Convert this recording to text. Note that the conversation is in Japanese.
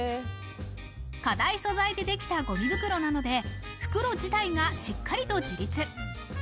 硬い素材でできたごみ袋なので、袋自体がしっかりと自立。